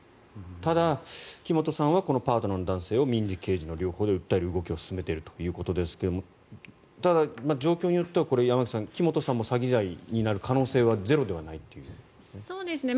ただ、木本さんはこのパートナーの男性を民事・刑事の両方で訴える動きを進めるということですがただ、状況によっては山口さん木本さんも詐欺罪になる可能性はゼロではないということですね。